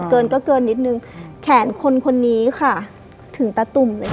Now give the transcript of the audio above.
เกินก็เกินนิดนึงแขนคนคนนี้ค่ะถึงตาตุ่มเลยค่ะ